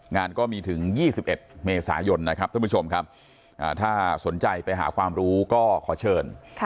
งานก็มีถึง๒๑เมษายนนะครับท่านผู้ชมครับถ้าสนใจไปหาความรู้ก็ขอเชิญ